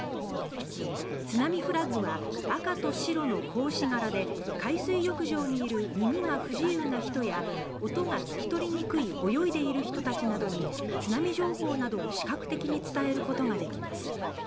津波フラッグは赤と白の格子柄で海水浴場にいる耳が不自由な人や音が聞き取りにくい泳いでいる人たちなどに津波情報などを視覚的に伝えることができます。